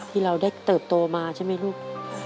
ที่เราได้เติบโตมาใช่ไหมลูก